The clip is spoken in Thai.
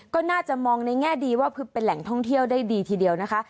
ก็น่าจะมองในแง่ดีว่าเป็นแหล่งท่องเที่ยวได้ดีทีเดียวนะคะ